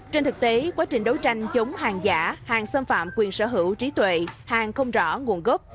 trên thực tế quá trình đấu tranh chống hàng giả hàng xâm phạm quyền sở hữu trí tuệ hàng không rõ nguồn gốc